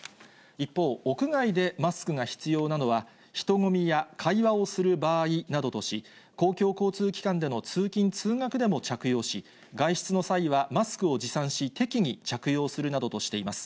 一方、屋外でマスクが必要なのは、人混みや会話をする場合などとし、公共交通機関での通勤・通学でも着用し、外出の際はマスクを持参し、適宜、着用するなどとしています。